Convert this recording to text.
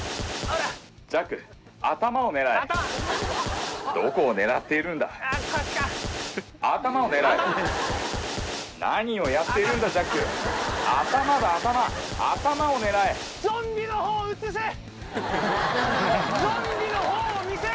ジャック頭を狙え頭どこを狙っているんだこっちか頭を狙え頭何をやっているんだジャック頭だ頭頭を狙えゾンビの方を見せろ！